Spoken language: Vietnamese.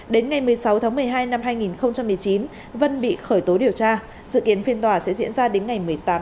đến ngày một mươi sáu tháng một mươi hai năm hai nghìn một mươi chín vân bị khởi tố điều tra dự kiến phiên tòa sẽ diễn ra đến ngày một mươi tám tháng một